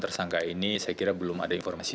tersangka ini saya kira belum ada informasi